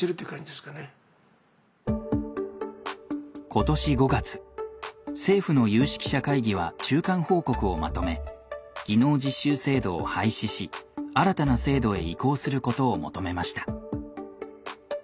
今年５月政府の有識者会議は中間報告をまとめ技能実習制度を廃止し新たな制度へ移行することを求めました。